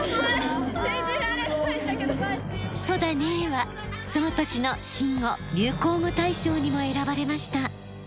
「そだねー」はその年の新語・流行語大賞にも選ばれました。